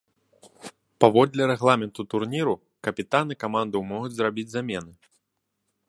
Паводле рэгламенту турніру капітаны камандаў могуць зрабіць замены.